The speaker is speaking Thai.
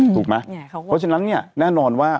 เพราะฉะนั้นเนี่ยแน่นอนว่า